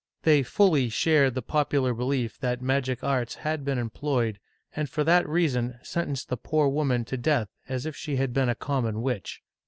They fully shared the popular belief that magic arts had been employed, and for that reason sentenced the poor woman to death as if she had been a common witch.